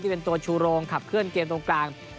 เป็นตัวชูโรงขับเคลื่อนเกมตรงกลาง